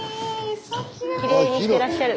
スタジオきれいにしてらっしゃる。